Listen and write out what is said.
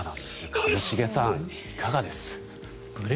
一茂さん、いかがです？